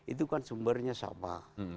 itu kan sumbernya sama